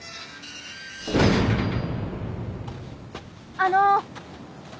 あの。